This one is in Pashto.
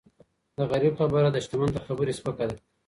د غریب خبره د شتمن تر خبري سپکه ده.